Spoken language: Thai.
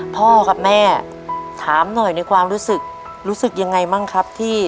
พ่อกับแม่ถามหน่อยในความรู้สึกรู้สึกยังไงบ้างครับที่